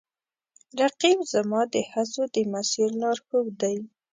رقیب زما د هڅو د مسیر لارښود دی